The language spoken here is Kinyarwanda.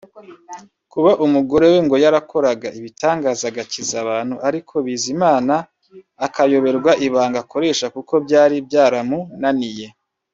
Kuba umugore we ngo yarakoraga ibitangaza agakiza abantu ariko Bizimana akayoberwa ibanga akoresha kuko byari byaramunaniye